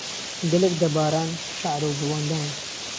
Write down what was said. گهلێک دهباران شەعره و گوڵئەندام